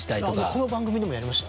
この番組でもやりました。